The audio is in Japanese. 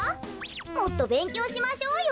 もっとべんきょうしましょうよ。